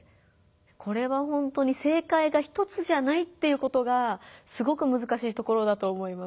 これはほんとに正解が一つじゃないっていうことがすごくむずかしいところだと思います。